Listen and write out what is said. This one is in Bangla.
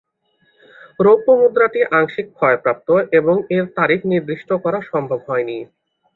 রৌপ্য মুদ্রাটি আংশিক ক্ষয়প্রাপ্ত এবং এর তারিখ নির্দিষ্ট করা সম্ভব হয় নি।